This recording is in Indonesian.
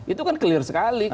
itu kan clear sekali